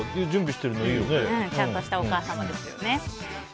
ちゃんとしたお母さまですよね。